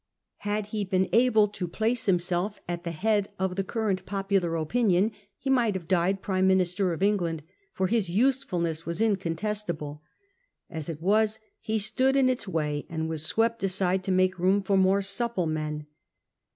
Had he been able to place 155 1667. His Flight himself at the head of the current of popular opinion he might have died prime minister of England, for his use fulness was incontestable. As it was he stood in its way, and was swept aside to make room for more supple men.